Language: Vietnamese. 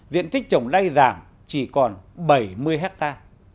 diện tích trồng đay giảm chỉ còn bảy mươi ha